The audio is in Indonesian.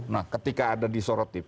nah ketika ada di sorot tv